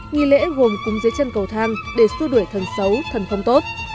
nghỉ lễ gồm cúng dưới chân cầu thang để xua đuổi thần xấu thần không tốt